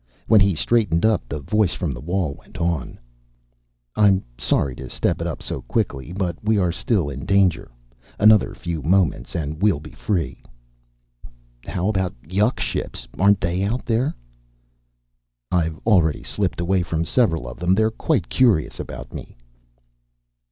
When he straightened up the voice from the wall went on, "I'm sorry to step it up so quickly, but we are still in danger. Another few moments and we'll be free." "How about yuk ships? Aren't they out here?" "I've already slipped away from several of them. They're quite curious about me."